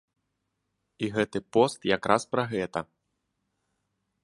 І гэты пост як раз пра гэта.